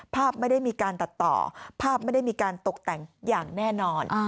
ภาพไม่ได้มีการตัดต่อภาพไม่ได้มีการตกแต่งอย่างแน่นอน